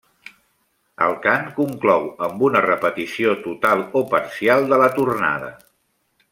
El cant conclou amb una repetició total o parcial de la tornada.